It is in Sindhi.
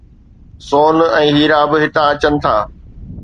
سون ۽ هيرا به هتان اچن ٿا